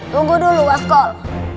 tunggu dulu waskol